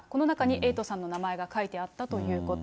エイトさんの名前が書いてあったということ。